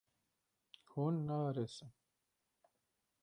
Hûn naarêsin.